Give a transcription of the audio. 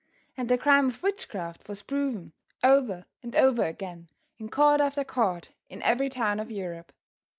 And the crime of witchcraft was proven over and over again in court after court in every town of Europe.